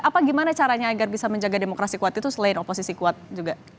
apa gimana caranya agar bisa menjaga demokrasi kuat itu selain oposisi kuat juga